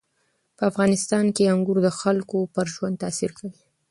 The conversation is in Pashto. په افغانستان کې انګور د خلکو پر ژوند تاثیر کوي.